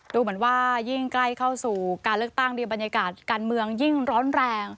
ดูเหมือนว่ายิ่งใกล้เข้าสู่การเลือกตั้งดีบรรยากาศการเมืองยิ่งร้อนแรง